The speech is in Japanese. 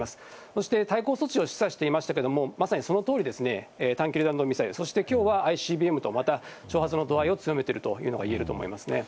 そして対抗措置を示唆していましたけれども、まさにそのとおり、短距離弾道ミサイル、そしてきょうはＩＣＢＭと、また挑発の度合いを強めているというのがいえると思いますね。